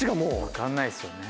分かんないですよね。